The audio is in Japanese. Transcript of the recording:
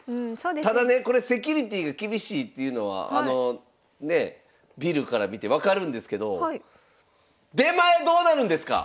ただねこれセキュリティーが厳しいっていうのはあのねえビルから見て分かるんですけど出前どうなるんですか！